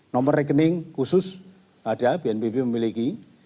nomor rekening khusus ada bnpb memiliki